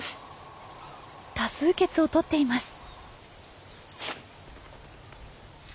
多数決をとっています。